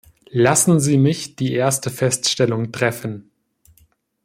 Lassen Sie mich die erste Feststellung treffen.